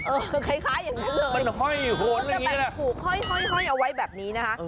เออคล้ายอย่างนี้เลยคุกแบบหุ้งห่อยเอาไว้แบบนี้นะคะ